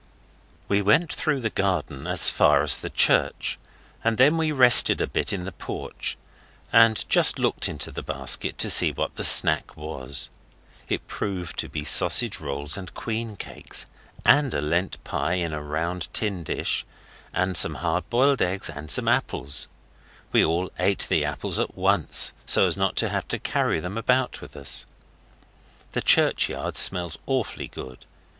We went through the garden as far as the church, and then we rested a bit in the porch, and just looked into the basket to see what the 'snack' was. It proved to be sausage rolls and queen cakes, and a Lent pie in a round tin dish, and some hard boiled eggs, and some apples. We all ate the apples at once, so as not to have to carry them about with us. The churchyard smells awfully good.